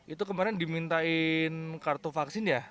itu kemarin dimintain kartu vaksin ya